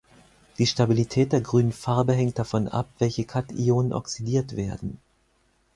Die Stabilität der grünen Farbe hängt davon ab, welche Kationen oxidiert werden.